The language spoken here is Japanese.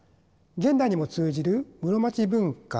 現代にも通じる室町文化